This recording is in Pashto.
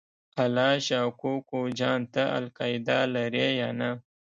الله شا کوکو جان ته القاعده لرې یا نه؟